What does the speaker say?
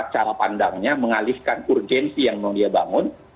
cara pandangnya mengalihkan urgensi yang mau dia bangun